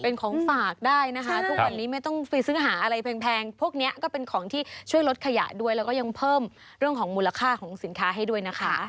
เป็นของฝากได้นะคะทุกวันนี้ไม่ต้องไปซื้อหาอะไรแพงพวกนี้ก็เป็นของที่ช่วยลดขยะด้วยแล้วก็ยังเพิ่มเรื่องของมูลค่าของสินค้าให้ด้วยนะคะ